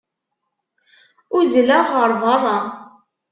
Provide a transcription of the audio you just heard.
Uzzleɣ ɣer berra.